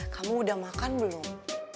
kamu udah makan belum